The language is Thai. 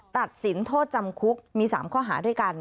ตัดสินโทษจำคุกมี๓ข้อหาด้วยกัน